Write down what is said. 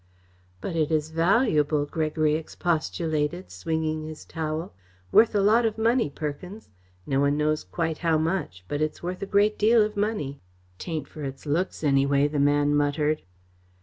"But it is valuable," Gregory expostulated, swinging his towel; "worth a lot of money, Perkins. No one knows quite how much but it's worth a great deal of money." "'Tain't for its looks, anyway," the man muttered.